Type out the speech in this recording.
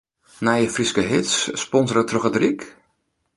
Nije Fryske hits, sponsore troch it Ryk?